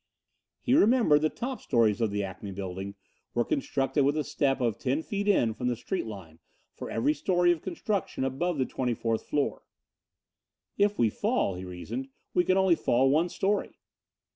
He remembered the top stories of the Acme building were constructed with a step of ten feet in from the street line, for every story of construction above the 24th floor. "If we fall," he reasoned, "we can only fall one story."